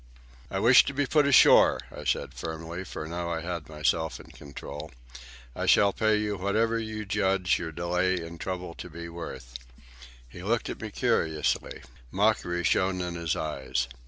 "I wish to be put ashore," I said firmly, for I now had myself in control. "I shall pay you whatever you judge your delay and trouble to be worth." He looked at me curiously. Mockery shone in his eyes.